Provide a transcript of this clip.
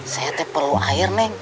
saya teh perlu air min